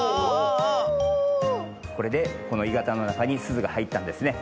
これでこのいがたのなかにすずがはいったんですね。